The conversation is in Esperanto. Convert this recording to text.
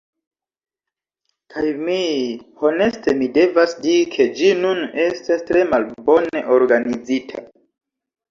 Kaj mi… Honeste mi devas diri ke ĝi nun estas tre malbone organizita.